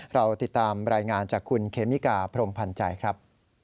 เราติดตามรายงานจากคุณเคมิกาพรมพันธ์ใจครับ